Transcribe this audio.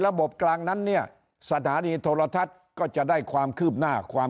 บกลางนั้นเนี่ยสถานีโทรทัศน์ก็จะได้ความคืบหน้าความ